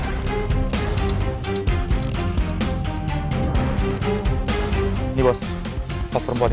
ini bos pas perempuan ini